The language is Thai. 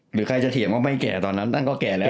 หรือใครจะเถียงว่าไม่แก่ตอนนั้นตั้งก็แก่แล้ว